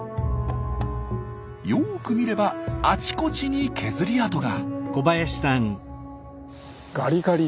よく見ればあちこちに削り跡が。